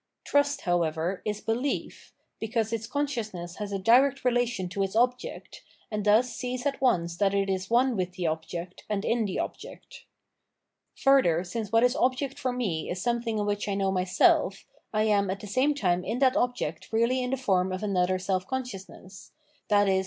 Trust, however, is belief, because its consciousness has a direct relation to its object, and thus sees at once that it is one with the object, and in the object. Further, since what is object for me is something in which I know myself, I am at the same time in that object really in the form of another seK consciousness, i.e.